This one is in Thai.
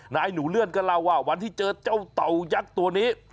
หนูเลื่อนก็เล่าว่าวันที่เจอเจ้าเต่ายักษ์ตัวนี้